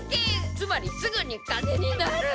つまりすぐに金になる！